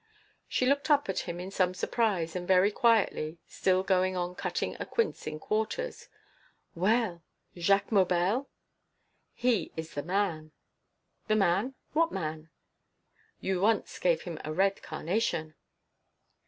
She looked up at him in some surprise, and very quietly, still going on cutting a quince in quarters: "Well!... Jacques Maubel...?" "He is the man." "The man! what man?" "You once gave him a red carnation."